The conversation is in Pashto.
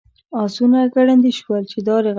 آسونه ګړندي شول.